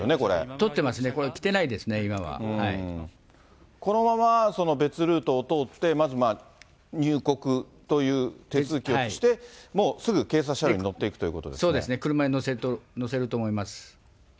取ってますね、これ、このまま別ルートを通って、まず入国という手続きをして、もうすぐ警察車両に乗っていくといそうですね、車に乗せると思